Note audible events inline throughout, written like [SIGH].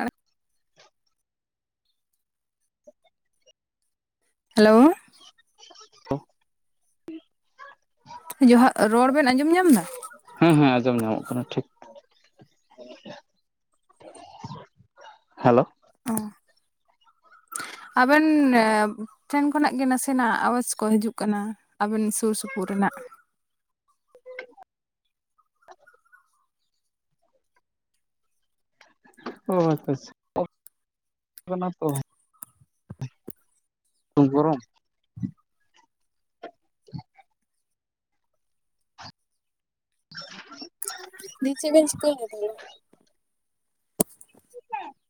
ᱟᱨ [INAUDIBLE] hello. [INAUDIBLE] ᱡᱚᱦᱟᱜ ᱨᱚᱲ ᱵᱮᱱ ᱟᱸᱡᱚᱢ ᱧᱟᱢ ᱫᱟ? ᱦᱮᱸ ᱦᱮᱸ ᱟᱸᱡᱚᱢ ᱧᱟᱢᱚᱜ ᱠᱟᱱᱟ ᱴᱷᱤᱠ᱾ ᱦᱮᱞᱳ, ᱟᱵᱮᱱ ᱮ ᱴᱷᱮᱱ ᱠᱷᱚᱱᱟᱜ ᱜᱮ ᱱᱟᱥᱮᱱᱟᱜ ᱟᱣᱟᱡᱽ ᱠᱚ ᱦᱤᱡᱩᱜ ᱠᱟᱱᱟ ᱟᱵᱮᱱ ᱥᱩᱨ ᱥᱩᱯᱩᱨ ᱨᱮᱱᱟᱜ᱾ ᱚ [INAUDIBLE] ᱠᱚᱢ ᱜᱚᱨᱚᱢ [INAUDIBLE] [INAUDIBLE] ᱱᱤᱪᱮ [INAUDIBLE] ᱛᱟᱦᱞᱮ [INAUDIBLE]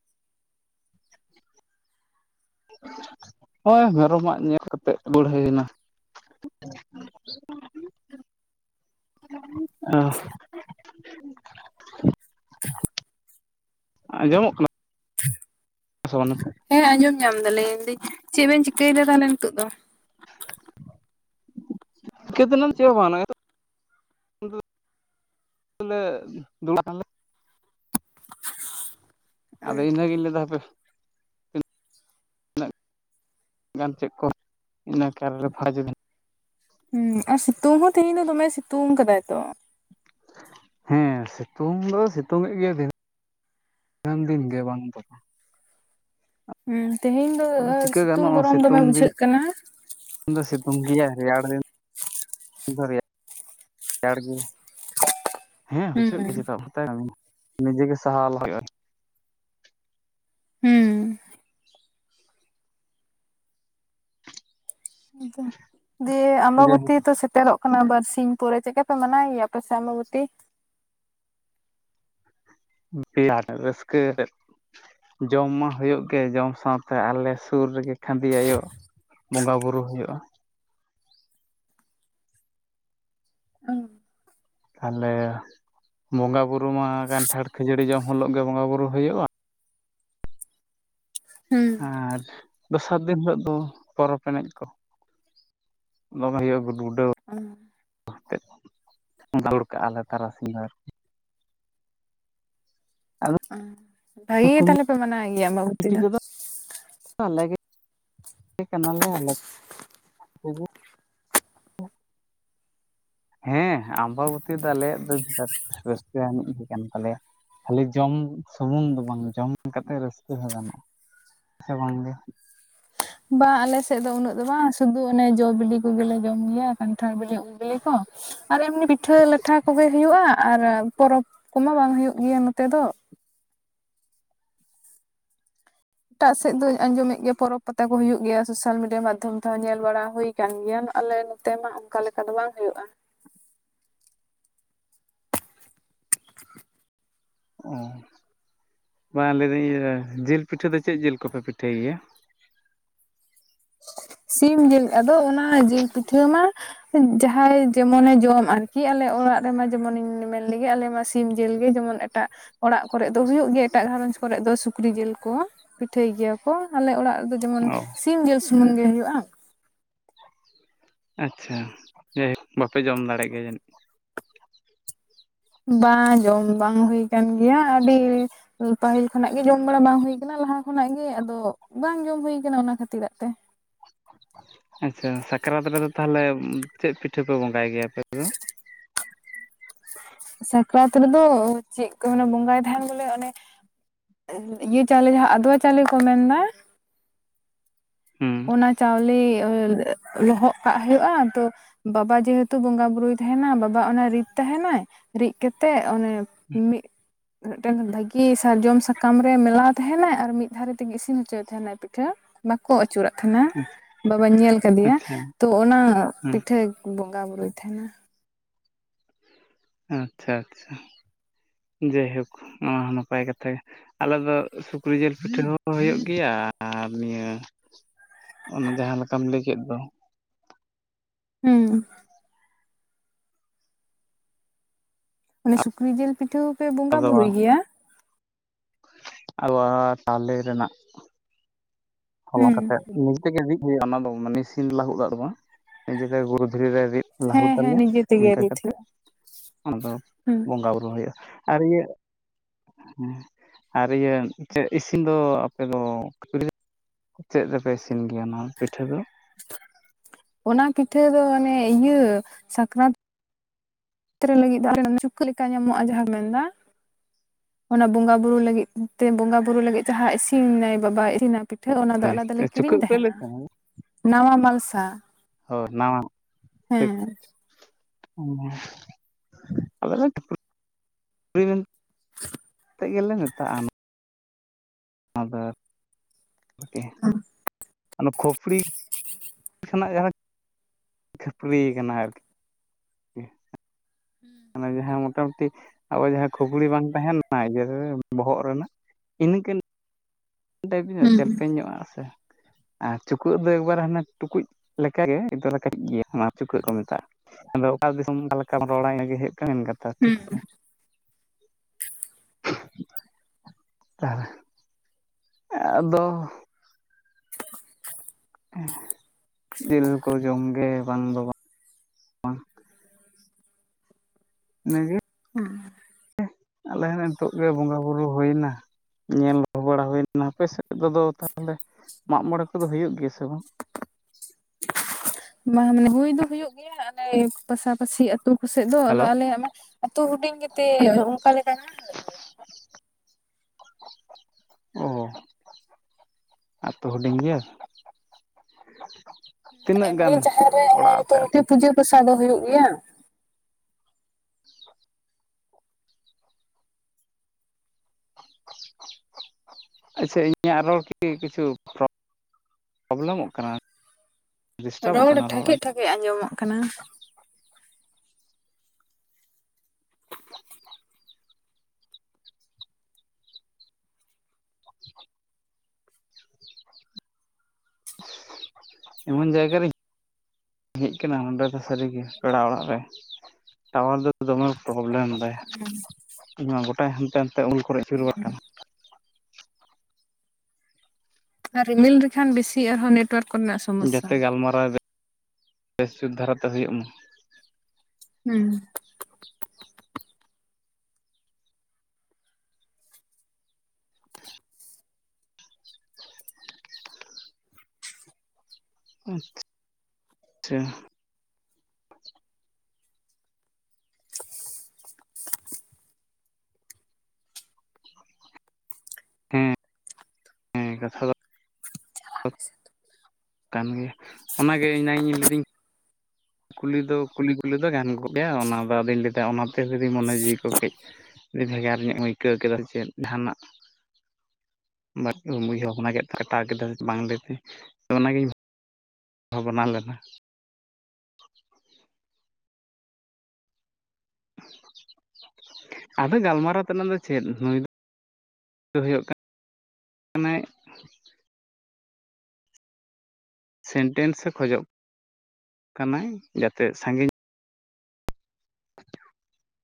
ᱦᱳᱭ ᱢᱮᱨᱚ ᱢᱟᱜ ᱧᱮᱞ ᱠᱟᱛᱮᱫ ᱵᱟᱹᱲᱦᱟᱹᱭ ᱱᱟ᱾ [INAUDIBLE] [INAUDIBLE] ᱟᱸᱡᱚᱢᱚᱜ ᱠᱟᱱᱟ ᱥᱮ ᱵᱟᱝ? ᱦᱮᱸ ᱟᱸᱡᱚᱢ ᱧᱟᱢ ᱫᱟᱞᱤᱧ ᱞᱟᱹᱭ ᱫᱟᱹᱧ ᱪᱮᱫ ᱵᱮᱱ ᱪᱤᱠᱟᱹᱭ ᱫᱟ ᱛᱟᱦᱞᱮ ᱱᱤᱛᱚᱜ ᱫᱚ? ᱠᱮᱫ ᱫᱚᱞᱟᱢ ᱪᱮᱫ ᱦᱚᱸ ᱵᱟᱝ ᱚᱱᱟ ᱜᱮᱛᱚ ᱫᱚᱞᱮ [INAUDIBLE] ᱟᱫᱚ ᱤᱱᱟᱹᱜᱤᱧ ᱞᱟᱹᱭ ᱫᱟ ᱦᱟᱯᱮ᱾ ᱛᱤᱱᱟᱹᱜ ᱜᱟᱱ ᱪᱮᱫ ᱠᱚ ᱤᱱᱟᱹ ᱠᱟᱨ ᱨᱮ ᱯᱷᱟ- ᱦᱩᱸ ᱟᱨ ᱥᱤᱛᱩᱝ ᱦᱚᱸ ᱛᱮᱦᱮᱧ ᱫᱚ ᱫᱚᱢᱮ ᱥᱤᱛᱩᱝ ᱠᱟᱫᱟᱭ ᱛᱚ᱾ ᱦᱮᱸ ᱥᱤᱛᱩᱝ ᱫᱚ ᱥᱤᱛᱩᱝ ᱮᱫ ᱜᱮ ᱫᱤᱱ- ᱫᱤᱱᱟᱹᱢ ᱫᱤᱱ ᱜᱮ ᱵᱟᱝ ᱛᱚ ᱦᱩᱸ ᱛᱮᱦᱮᱧ ᱫᱚ ᱥᱤᱛᱩᱝ ᱜᱚᱨᱚᱢ ᱫᱚᱢᱮ ᱫᱤᱱ ᱵᱩᱡᱷᱟᱹᱜ ᱠᱟᱱᱟ᱾ ᱥᱤᱛᱩᱝ ᱫᱚ ᱥᱤᱛᱩᱝ ᱜᱮᱭᱟ ᱨᱮᱭᱟᱲ ᱫᱤᱱ ᱫᱚᱨᱮᱜ ᱨᱮᱭᱟᱲ ᱜᱮ᱾ ᱦᱮᱸ ᱦᱩᱸ ᱵᱩᱡᱷᱟᱹᱜ ᱜᱮ ᱪᱮᱫᱟᱜ [INAUDIBLE] ᱱᱤᱡᱮ ᱜᱮ ᱥᱟᱦᱟᱣ ᱞᱟᱦᱟᱣ ᱦᱩᱭᱩᱜ-ᱟ᱾ ᱦᱩᱸ ᱫᱤᱭᱮ ᱡᱮ ᱟᱢᱵᱟᱵᱚᱛᱤ ᱛᱚ ᱥᱮᱴᱮᱨᱚᱜ- ᱠᱟᱱᱟ ᱵᱟᱨᱥᱤᱧ ᱯᱚᱨᱮ ᱪᱮᱫᱠᱟ ᱯᱮ ᱢᱟᱱᱟᱣᱮ ᱜᱮᱭᱟ ᱯᱮ ᱥᱮᱢᱟᱵᱚᱛᱤ᱾ [INAUDIBLE] ᱨᱟᱹᱥᱠᱟᱹ ᱨᱮ ᱡᱚᱢ ᱢᱟ ᱦᱩᱭᱩᱜ ᱜᱮ ᱡᱚᱢ ᱥᱟᱶᱛᱮ ᱟᱞᱮ ᱥᱩᱨ ᱨᱮᱜᱮ ᱠᱷᱟᱫᱮ ᱟᱭᱳ ᱵᱚᱸᱜᱟ ᱵᱳᱨᱳ ᱦᱩᱭᱩᱜ-ᱟ᱾ ᱦᱩᱸ ᱛᱟᱦᱚᱞᱮ ᱵᱚᱸᱜᱟ ᱵᱩᱨᱩᱢᱟ ᱠᱟᱱᱴᱷᱟᱲ ᱠᱷᱟᱹᱡᱟᱹᱲᱤ ᱡᱚᱢ ᱦᱳᱞᱳᱜ ᱜᱮ ᱵᱚᱸᱜᱟ ᱵᱩᱨᱩ ᱦᱩᱭᱩᱜ-ᱟ᱾ ᱟᱨ ᱫᱚᱥᱟᱨ ᱫᱤᱱ ᱦᱤᱞᱳᱜ ᱫᱚ ᱯᱚᱨᱚᱵᱽ ᱮᱱᱮᱡ ᱠᱚ ᱫᱚᱢᱮ ᱦᱩᱭᱩᱜ-ᱟ ᱜᱩᱰ ᱰᱩᱰᱟᱹ [UNINTELLIGIBLE] [INAUDIBLE] ᱫᱟᱹᱲ ᱠᱟᱜ-ᱟᱞᱮ ᱛᱟᱨᱟᱥᱤᱧ ᱫᱚ᱾ ᱟᱫᱚ ᱵᱟᱭᱤ ᱜᱮ ᱛᱟᱦᱞᱮ ᱠᱚᱢᱤᱴᱤ ᱯᱮ ᱢᱟᱱᱟ ᱜᱮᱭᱟ ᱟᱵᱟᱵᱚᱛᱤ ᱫᱚ᱾ ᱟᱞᱟᱜᱮ [INAUDIBLE] ᱠᱟᱱᱟ ᱞᱮ ᱟᱞᱮ ᱠᱚᱜᱮ ᱦᱮᱸ ᱟᱢᱵᱟᱵᱚᱛᱤ ᱫᱚ ᱟᱞᱮᱭᱟᱜ ᱫᱚ ᱵᱤᱨᱟᱴ ᱨᱟᱹᱥᱠᱟᱹ ᱟᱹᱱᱤᱡ ᱜᱮ ᱠᱟᱱ ᱛᱟᱞᱮᱭᱟ᱾ ᱠᱷᱟᱹᱞᱤ ᱡᱚᱢ ᱥᱩᱢᱩᱝ ᱫᱚ ᱵᱟᱝ ᱡᱚᱢ ᱠᱟᱛᱮᱫ ᱨᱟᱹᱥᱠᱟᱹ ᱦᱚᱸ ᱜᱟᱱᱚᱜᱼᱟ ᱥᱮ ᱵᱟᱝᱜᱮ? ᱵᱟ ᱟᱞᱮᱥᱮᱫ ᱫᱚ ᱩᱱᱟᱹᱜ ᱫᱚ ᱵᱟᱝ ᱥᱩᱫᱩ ᱚᱱᱮ ᱡᱚ ᱵᱤᱞᱤ ᱠᱚᱜᱮᱞᱮ ᱡᱚᱢ ᱜᱮᱭᱟ, ᱠᱟᱱᱴᱷᱟᱲ ᱵᱤᱞᱤ ᱩᱞ ᱵᱤᱞᱤ ᱠᱚ, ᱟᱨ ᱮᱢᱱᱤ ᱯᱤᱴᱷᱟᱹᱼ ᱞᱟᱴᱷᱟ ᱠᱚᱜᱮ ᱦᱩᱭᱩᱜᱼᱟ, ᱟᱨ ᱯᱚᱨᱚᱵᱽ ᱠᱚᱢᱟ ᱵᱟᱝ ᱦᱩᱭᱩᱜ ᱜᱮᱭᱟ ᱱᱚᱛᱮ ᱫᱚ᱾ ᱮᱴᱟᱜ ᱥᱮᱫ ᱫᱚᱧ ᱟᱸᱡᱚᱢᱮᱜ ᱜᱮᱭᱟ ᱯᱚᱨᱚᱵᱽ ᱯᱟᱛᱟ ᱠᱚ ᱦᱩᱭᱩᱜ ᱜᱮᱭᱟ ᱥᱳᱥᱟᱞ ᱢᱤᱰᱤᱭᱟ ᱢᱟᱫᱽᱫᱷᱚᱢ ᱛᱮᱦᱚᱸ ᱧᱮᱞ ᱵᱟᱲᱟ ᱦᱩᱭ ᱠᱟᱱ ᱜᱮᱭᱟᱢ ᱟᱞᱮ ᱱᱚᱛᱮ ᱢᱟ ᱚᱱᱠᱟ ᱞᱮᱠᱟ ᱫᱚ ᱵᱟᱝ ᱦᱩᱭᱩᱜᱼᱟ᱾ ᱚ ᱵᱟᱝ ᱞᱟᱹᱭᱫᱟᱹᱧ ᱤᱭᱟᱹ ᱡᱤᱞ ᱯᱤᱴᱷᱟᱹ ᱫᱚ ᱪᱮᱫ ᱡᱤᱞ ᱠᱚᱯᱮ ᱯᱤᱴᱷᱟᱹᱭ ᱜᱮᱭᱟ? ᱥᱤᱢ ᱡᱤᱞ ᱟᱫᱚ ᱚᱱᱟ ᱡᱤᱞ ᱯᱤᱴᱷᱟᱹ ᱢᱟ ᱡᱟᱦᱟᱸᱭ ᱡᱮᱢᱚᱱᱮ ᱡᱚᱢ ᱟᱨᱠᱤ ᱟᱞᱮ ᱚᱲᱟᱜ ᱨᱮᱢᱟ ᱡᱮᱢᱚᱱᱤᱧ ᱢᱮᱱ ᱞᱮᱜᱮ ᱟᱞᱮ ᱢᱟ ᱥᱤᱢ ᱡᱤᱞ ᱜᱮ ᱡᱮᱢᱚᱱ ᱮᱴᱟᱜ ᱚᱲᱟᱜ ᱠᱚᱨᱮᱜ ᱫᱚ ᱦᱩᱭᱩᱜ ᱜᱮᱭᱟ ᱮᱴᱟᱜ ᱜᱷᱟᱨᱚᱧᱡᱽ ᱠᱚᱨᱮ ᱫᱚ ᱥᱩᱠᱨᱤ ᱡᱤᱞ ᱠᱚ ᱯᱤᱴᱷᱟᱹᱭ ᱜᱮᱭᱟ ᱠᱚ᱾ ᱟᱞᱮ ᱚᱲᱟᱜ ᱨᱮᱫᱚ ᱡᱮᱢᱚᱱ ᱚ ᱥᱤᱢ ᱡᱤᱞ ᱥᱩᱢᱩᱢ ᱜᱮ ᱦᱩᱭᱩᱜᱼᱟ᱾ ᱟᱪᱷᱟ ᱡᱮᱭᱦᱳᱠ ᱵᱟᱯᱮ ᱡᱚᱢ ᱫᱟᱲᱮᱜ ᱜᱮᱭᱟ ᱡᱟᱹᱱᱤᱡ? ᱵᱟᱝ ᱡᱚᱢ ᱵᱟᱝ ᱦᱩᱭ ᱠᱟᱱᱟᱱ ᱜᱮᱭᱟ ᱟᱹᱰᱤ ᱯᱟᱹᱟᱦᱤᱞ ᱠᱷᱚᱱᱟᱜ ᱜᱮᱤ ᱡᱚᱢ ᱵᱟᱲᱟ ᱵᱟᱝ ᱦᱩᱭ ᱠᱟᱱᱟ ᱞᱟᱦᱟ ᱠᱷᱚᱱᱟᱜ ᱜᱮᱤ ᱟᱫᱚ ᱵᱟᱝ ᱡᱚᱢ ᱦᱩ ᱠᱟᱱᱟ ᱚᱱᱟ ᱠᱷᱟᱹᱛᱤᱨᱟᱜ ᱛᱮ᱾ ᱟᱪᱪᱷᱟ ᱥᱟᱠᱨᱟᱛ ᱨᱮᱫᱚ ᱛᱟᱦᱞᱮ ᱪᱮᱫ ᱯᱤᱴᱷᱟᱹ ᱯᱮ ᱵᱚᱸᱜᱟᱭ ᱜᱮᱭᱟ ᱯᱮ? [INAUDIBLE] ᱥᱟᱠᱨᱟᱛ ᱨᱮᱫᱚ ᱪᱮᱫ ᱠᱚ ᱢᱟᱱᱮ ᱵᱚᱸᱜᱟᱭ ᱛᱟᱦᱮᱸᱱ ᱫᱚᱞᱮ ᱚᱱᱮ ᱤᱭᱟᱹ ᱪᱟᱣᱞᱮ ᱡᱟᱦᱟᱸ ᱟᱫᱣᱟ ᱪᱟᱣᱞᱮ ᱠᱚ ᱢᱮᱱᱫᱟ, ᱦᱩᱸ ᱚᱱᱟ ᱪᱟᱣᱞᱮ ᱞᱚᱦᱚᱫ ᱠᱟᱜ ᱦᱩᱭᱩᱜᱼᱟ ᱟᱫᱚ ᱵᱟᱵᱟ ᱡᱮᱦᱮᱛᱩ ᱵᱚᱸᱜᱟ ᱵᱩᱨᱩᱭ ᱛᱟᱦᱮᱸᱱᱟ ᱵᱟᱵᱟ ᱚᱱᱟ ᱨᱤᱫ ᱛᱟᱦᱮᱸᱱᱟᱭ ᱨᱤᱫ ᱠᱟᱛᱮᱫ ᱚᱱᱮ ᱢᱤᱜ ᱢᱤᱫᱴᱮᱱ ᱵᱷᱟᱹᱜᱤ ᱥᱟᱨᱡᱚᱢ ᱥᱟᱠᱟᱢ ᱨᱮ ᱢᱮᱞᱟᱣ ᱛᱟᱦᱮᱸᱱᱟᱭ, ᱟᱨ ᱢᱤᱫ ᱫᱷᱟᱨᱮ ᱛᱮᱜᱮ ᱤᱥᱤᱱ ᱦᱚᱪᱚᱭᱮ ᱛᱟᱦᱮᱸᱱᱟᱭ᱾ ᱯᱤᱴᱷᱟᱹ ᱵᱟᱠᱚ ᱟ ᱛᱟᱦᱮᱸᱱᱟ ᱵᱟᱵᱟᱧ ᱧᱮᱞ ᱠᱟᱫᱮᱭᱟ, ᱟᱪᱪᱷᱟ ᱛᱚ ᱚᱱᱟ ᱦᱩᱸ ᱯᱤᱴᱷᱟᱹ ᱵᱚᱸᱜᱟ ᱵᱩᱨᱩᱭ ᱛᱟᱦᱮᱸᱱᱟ᱾ ᱟᱪᱷᱟ ᱟᱪᱷᱟ ᱡᱟᱭᱦᱳᱠ ᱚᱱᱟ ᱦᱚᱸ ᱱᱟᱯᱟᱭ ᱠᱟᱛᱷᱟ ᱜᱮ᱾ ᱟᱞᱮ ᱫᱚ ᱥᱩᱠᱨᱤ ᱡᱤᱞ ᱯᱤᱴᱷᱟᱹ ᱦᱚᱸ ᱦᱩᱭᱩᱜ ᱜᱮᱭᱟ, ᱟᱨ ᱱᱤᱭᱟᱹ ᱚᱱᱮ ᱡᱟᱦᱟᱸ ᱞᱮᱠᱟᱢ ᱞᱟᱹᱭ ᱠᱮᱫ ᱫᱚ ᱦᱩᱸ᱾ ᱚᱱᱮ ᱥᱩᱠᱨᱤ ᱡᱤᱞ ᱯᱤᱴᱷᱟᱹ ᱦᱚᱸ ᱯᱮ ᱵᱚᱸᱜᱟ ᱵᱩᱨᱩᱭ ᱜᱮᱭᱟ? ᱟᱵᱟᱨ ᱛᱟᱞᱮ ᱨᱮᱱᱟᱜ ᱦᱚᱞᱟᱝ ᱦᱩᱸ ᱠᱟᱛᱮᱜ ᱱᱤᱡᱮ ᱛᱮᱜᱮ ᱨᱤᱫ ᱦᱳᱭᱳᱜ-ᱟ ᱚᱱᱟ ᱫᱚ ᱢᱮᱱᱮ ᱥᱤᱱ ᱞᱟᱹᱦᱩᱫ ᱟᱜ ᱫᱚ ᱵᱟᱝ ᱱᱤᱡᱮᱛᱮ ᱜᱩᱨᱩ ᱫᱷᱤᱨᱤ ᱨᱮ ᱨᱤᱫ ᱦᱮᱸ ᱞᱟᱹᱦᱩᱫ ᱦᱮᱸ ᱟᱞᱮ ᱱᱤᱡᱮ ᱛᱮᱜᱮ ᱤᱱᱠᱟᱹ ᱨᱤᱫ ᱠᱟᱛᱮᱫ ᱦᱩᱭᱩᱜᱼᱟ ᱚᱱᱟᱫᱚ ᱦᱩᱸ ᱵᱚᱸᱜᱟ ᱵᱩᱨᱩ ᱦᱩᱭᱩᱜ-ᱟ, ᱟᱨ ᱤᱭᱟᱹ ᱟᱨ ᱤᱭᱟᱹ ᱪᱮᱫ ᱤᱥᱤᱱ ᱫᱚ ᱟᱯᱮ ᱫᱚ ᱠᱷᱟᱯᱨᱤ ᱪᱮᱫ ᱨᱮᱯᱮ ᱤᱥᱤᱱ ᱜᱮᱭᱟ ᱱᱚᱣᱟ ᱯᱤᱴᱷᱟᱹ ᱫᱚ? ᱚᱱᱟ ᱯᱤᱴᱷᱟᱹ ᱫᱚ ᱚᱱᱮ ᱤᱭᱟᱹ ᱥᱟᱠᱨᱟᱛ ᱨᱟᱛ ᱞᱟᱹᱜᱤᱫ ᱫᱚ ᱚᱱᱮ ᱪᱩᱠᱟᱹ ᱞᱮᱠᱟ ᱧᱟᱢᱚᱜᱼᱟ ᱡᱟᱦᱟᱸᱢ ᱢᱮᱱ ᱫᱟ ᱚᱱᱟ ᱵᱚᱸᱜᱟ ᱵᱩᱨᱩ ᱞᱟᱹᱜᱤᱫ ᱛᱮ ᱵᱚᱸᱜᱟ ᱵᱩᱨᱩ ᱞᱟᱹᱜᱤᱫ ᱡᱟᱦᱟᱸ ᱤᱥᱤᱱᱟᱭ ᱵᱟᱵᱟᱭ ᱤᱥᱤᱱᱟᱭ ᱯᱤ ᱴᱷᱟᱹ ᱚᱱᱟ ᱫᱚ ᱟᱞᱟᱫᱟ ᱞᱮ ᱠᱤᱨᱤᱧ ᱪᱩᱠᱟᱹᱜ ᱯᱮ ᱞᱟᱹᱭ ᱛᱟᱦᱮᱸᱱᱟ ᱛᱟᱦᱮᱸ ᱱᱟᱣᱟ ᱢᱟᱞᱥᱟ᱾ ᱦᱳᱭ ᱱᱟᱣᱟ ᱦᱮᱸ᱾ [INAUDIBLE] [INAUDIBLE] ᱛᱮ ᱜᱮᱞᱮ ᱢᱮᱛᱟᱜ-ᱟ᱾ ᱟᱫᱚ [INAUDIBLE] ᱚᱱᱟ ᱠᱷᱚᱯᱲᱤ [INAUDIBLE] ᱡᱟᱦᱟᱸ ᱠᱷᱟᱹᱯᱨᱤ ᱠᱟᱱᱟ ᱟᱨᱠᱤ [UNINTELLIGIBLE] [UNINTELLIGIBLE] ᱚᱱᱟ ᱡᱟᱦᱟᱸ ᱢᱚᱴᱟ ᱢᱩᱴᱤ ᱟᱵᱚ ᱡᱟᱦᱟᱸ ᱠᱷᱩᱯᱲᱤ ᱵᱟᱝ ᱛᱟᱦᱮᱱᱟ [INAUDIBLE] ᱤᱭᱟᱹ [INAUDIBLE] ᱵᱚᱦᱚᱜ ᱨᱮᱱᱟᱜ ᱤᱱᱟᱹᱠᱟᱱ [INAUDIBLE] ᱪᱮᱞᱯᱮ ᱧᱚᱜ-ᱟ ᱥᱮ ᱟᱨ ᱪᱩᱠᱟᱹᱜ ᱫᱚ ᱮᱠᱵᱟᱨ ᱦᱟᱱᱮ ᱴᱩᱠᱩᱡ ᱞᱮᱠᱟᱜᱮ ᱠᱟᱹᱴᱤᱡ ᱜᱮᱭᱟ ᱚᱱᱟ ᱪᱩᱠᱟᱹᱜ ᱠᱚ ᱢᱮᱛᱟᱜ-ᱟ ᱾ ᱟᱫᱚ ᱚᱠᱟ ᱫᱤᱥᱚᱢ ᱚᱠᱟ ᱞᱮᱠᱟᱢ ᱨᱚᱲᱟ ᱤᱱᱟᱹ ᱜᱮ ᱦᱩᱭᱩᱜ ᱠᱟᱱᱟ ᱢᱮᱱ ᱠᱟᱛᱷᱟ ᱴᱷᱤᱠ ᱥᱮ, [UNINTELLIGIBLE] ᱟᱫᱚ [UNINTELLIGIBLE] ᱡᱤᱞ ᱠᱚ ᱡᱚᱢ ᱜᱮ ᱵᱟᱝ ᱫᱚ ᱵᱟᱝ [UNINTELLIGIBLE] [UNINTELLIGIBLE] ᱟᱞᱮ ᱦᱚᱞᱮ ᱱᱤᱛᱚᱜ ᱜᱮ ᱵᱚᱸᱜᱟ ᱵᱩᱨᱩ ᱦᱩᱭᱱᱟ᱾ ᱧᱮᱞ ᱵᱟᱲᱟ ᱦᱩᱭᱱᱟ ᱟᱯᱮ ᱥᱮᱫ ᱠᱚᱫᱚ ᱛᱟᱦᱚᱞᱮ ᱢᱟᱜ ᱢᱚᱬᱮ ᱠᱚᱫᱚ ᱦᱩᱭᱩᱜ ᱜᱮᱭᱟ ᱥᱮ ᱵᱟᱝ? ᱵᱟ ᱢᱟᱱᱮ ᱦᱩᱭ ᱫᱚ ᱦᱩᱭᱩᱜ ᱜᱮᱭᱟ ᱟᱞᱮ ᱯᱟᱥᱟ ᱯᱟᱥᱤ ᱟᱹᱛᱩ ᱠᱚᱥᱮᱫ ᱫᱚ ᱟᱫᱚ ᱦᱮᱞᱳ ᱟᱞᱮᱭᱟᱜ ᱢᱟ ᱟᱛᱩ ᱦᱩᱰᱤᱧ ᱜᱮᱛᱮ ᱚᱱᱠᱟ ᱞᱮᱠᱟ ᱚ ᱟᱛᱩ ᱦᱩᱰᱤᱧ ᱜᱮᱭᱟ᱾ ᱦᱩᱸ ᱛᱤᱱᱟᱹᱜ ᱮᱢᱱᱤ ᱜᱟᱱ ᱡᱟᱦᱮᱨ ᱨᱮ ᱚᱱᱟ ᱚᱲᱟᱜ ᱟᱯᱮ ᱧᱩᱛᱩᱢ ᱛᱮ ᱟᱛᱳ ᱯᱩᱡᱟᱹ ᱯᱟᱥᱟ ᱫᱚ ᱦᱩᱭᱩᱜ ᱜᱮᱭᱟ᱾ [UNINTELLIGIBLE] ᱟᱪᱪᱷᱟ ᱤᱧᱟᱜ ᱨᱚᱲ ᱠᱤ ᱠᱤᱪᱷᱩ [INAUDIBLE] ᱯᱨᱚᱵᱞᱮᱢᱚᱜ ᱠᱟᱱᱟ᱾ ᱰᱤᱥᱴᱟᱵᱚᱜ ᱨᱚᱲ ᱠᱟᱱᱟ ᱴᱷᱟᱠᱮᱡ ᱴᱷᱟᱠᱮᱡ ᱟᱸᱡᱚᱢᱚᱜ ᱠᱟᱱᱟ ᱾ ᱮᱢᱚᱱ ᱡᱟᱭᱜᱟ ᱨᱮᱧ ᱦᱮᱡ ᱟᱠᱟᱱᱟ ᱱᱚᱰᱮ ᱫᱚ ᱥᱟᱹᱨᱤᱜᱮ ᱯᱮᱲᱟ ᱚᱲᱟᱜ ᱨᱮ ᱴᱟᱣᱟᱨ ᱫᱚ ᱫᱚᱢᱮ ᱯᱨᱚᱵᱞᱮᱢ ᱫᱟᱭ ᱾ [UNINTELLIGIBLE] ᱤᱧᱢᱟ ᱜᱚᱴᱟᱭ ᱦᱟᱱᱛᱮ ᱱᱟᱛᱮ ᱩᱢᱩᱞ ᱠᱚᱨᱮ ᱟᱹᱪᱩᱨ ᱵᱟᱲᱟ ᱠᱟᱱᱟ ᱾ ᱟᱨ ᱨᱤᱢᱤᱞ ᱞᱮᱠᱷᱟᱱ ᱵᱮᱥᱤ ᱟᱨᱦᱚᱸ ᱱᱮᱴᱳᱭᱟᱨᱠ ᱡᱟᱛᱮ ᱜᱟᱞᱢᱟᱨᱟᱣ [INAUDIBLE] ᱵᱮᱥ ᱫᱷᱟᱨᱟᱛᱮ ᱦᱩᱭᱩᱜ ᱢᱟ, ᱦᱩᱸ ᱟᱪᱪᱷᱟ᱾ ᱦᱮᱸ ᱦᱮᱸ ᱠᱟᱛᱷᱟ ᱫᱚ ᱠᱟᱱ ᱜᱮᱭᱟ ᱚᱱᱟᱜᱮ ᱤᱧ ᱱᱟᱜ ᱤᱧ ᱞᱟᱹᱫᱤᱧ ᱠᱩᱞᱤ ᱫᱚ ᱠᱩᱞᱤ ᱠᱩᱞᱤ ᱫᱚ ᱜᱟᱱ ᱠᱚᱜ ᱜᱮᱭᱟ ᱚᱱᱟᱫᱚ ᱟᱫᱚᱧ ᱞᱟᱹᱭ ᱫᱟ ᱚᱱᱟᱛᱮ ᱡᱩᱫᱤ ᱢᱚᱱᱮ ᱡᱤᱣᱤ ᱠᱚ ᱠᱟᱹᱡ ᱟᱹᱰᱤ ᱵᱷᱮᱜᱟᱨ ᱧᱚᱜ ᱮᱢ ᱟᱹᱭᱠᱟᱹᱣ ᱠᱮᱫᱟ ᱥᱮᱪᱮᱫ ᱡᱟᱦᱟᱱᱟᱜ ᱵᱟᱲᱤᱡ ᱮᱢ ᱩᱭᱦᱟᱨ ᱵᱷᱟᱵᱱᱟ ᱠᱮᱫᱛᱮ ᱠᱟᱴᱟᱣ ᱠᱮᱫᱟ ᱵᱟᱝ ᱞᱟᱹᱭᱛᱮ ᱚᱱᱟᱜᱤᱧ ᱵᱷᱟᱵᱱᱟ ᱞᱮᱱᱟ, ᱟᱫᱚ ᱜᱟᱞᱢᱟᱨᱟᱣ ᱛᱮᱱᱟᱜ ᱫᱚ ᱪᱮᱫ ᱱᱩᱭ ᱫᱚ ᱦᱩᱭᱩᱜ ᱠᱟ ᱠᱟᱱᱟᱭ ᱥᱮᱱᱴᱮᱱᱥ ᱮ ᱠᱷᱚᱡᱚᱜ ᱠᱟᱱᱟᱭ ᱡᱟᱛᱮ ᱥᱟᱜᱤᱧ [UNINTELLIGIBLE]